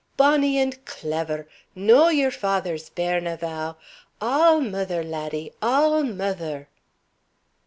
Bonnie and clever! No your faither's bairn ava! All mither, laddie, all mither!"